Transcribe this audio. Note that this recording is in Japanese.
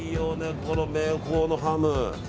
この明宝のハム。